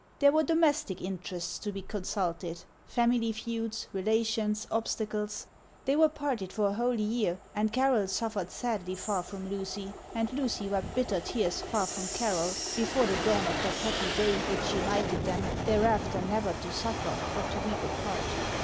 There were domestic interests to be consulted, — family feuds, relations, obstacles. They were parted for a whole year ; and Carroll suffered sadly far from Lucy, and Lucy wept bitter tears far from Carroll, before the dawn of that happy day which united them, thereafter never to suffer or to weep apart.